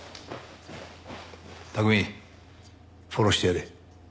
拓海フォローしてやれ。